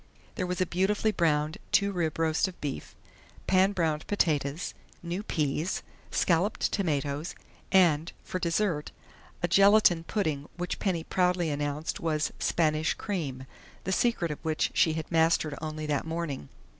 There was a beautifully browned two rib roast of beef, pan browned potatoes, new peas, escalloped tomatoes, and, for dessert, a gelatine pudding which Penny proudly announced was "Spanish cream," the secret of which she had mastered only that morning.